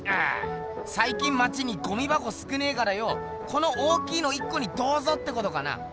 最近まちにゴミばこ少ねえからよこの大きいの１こにどうぞってことかな？